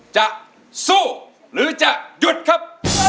จะสู้หรือจะหยุดครับ